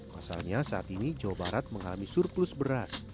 pasalnya saat ini jawa barat mengalami surplus beras